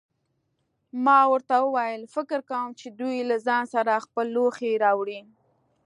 ما ورته وویل: فکر کوم چې دوی له ځان سره خپل لوښي راوړي.